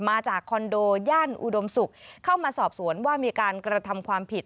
มาจากคอนโดย่านอุดมศุกร์เข้ามาสอบสวนว่ามีการกระทำความผิด